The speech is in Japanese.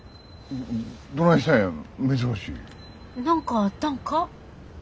何かあったんか？